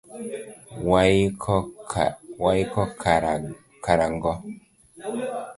Waiko karango